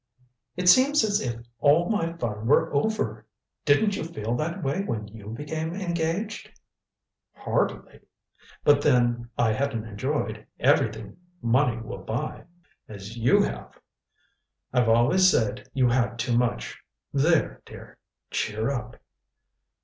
"It seems as if all my fun were over. Didn't you feel that way when you became engaged?" "Hardly. But then I hadn't enjoyed everything money will buy, as you have. I've always said you had too much. There, dear cheer up.